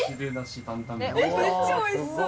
めっちゃおいしそう！